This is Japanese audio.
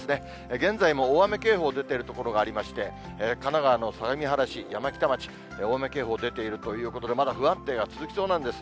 現在も大雨警報出てる所がありまして、神奈川の相模原市、山北町、大雨警報出ているということで、まだ不安定が続きそうなんです。